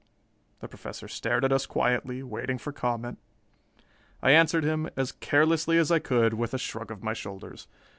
The Professor stared at us quietly, waiting for comment. I answered him, as carelessly as I could, with a shrug of my shoulders.